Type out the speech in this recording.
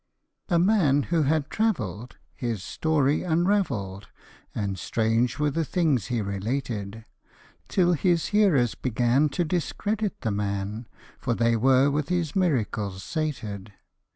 A MAN who had travell'd, his story unravell'd, And strange were the things he related ; Till his hearers began to discredit the man ; For they were with his miracles sated.